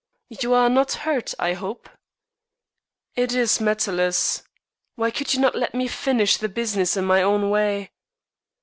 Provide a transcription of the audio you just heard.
"You are not hurt, I hope?" "It is matterless. Why could you not let me finish the business in my own way?"